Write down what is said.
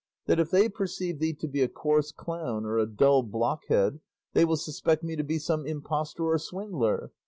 that if they perceive thee to be a coarse clown or a dull blockhead, they will suspect me to be some impostor or swindler?